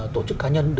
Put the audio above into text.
tổ chức cá nhân